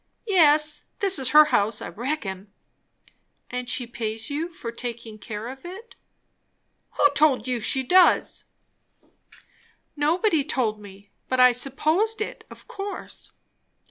"Yes, this is her house, I reckon." "And she pays you for taking care of it." "Who told you she does?" "Nobody told me; but I supposed it, of course."